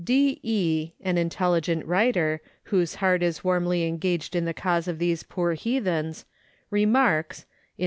D. E., an intelligent writer, whose heart is warmly engaged in the cause of these poor heathens, remarks (in No.